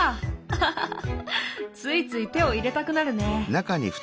アハハハハついつい手を入れたくなるね。